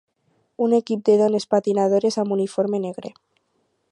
Un equip de dones patinadores amb uniforme negre.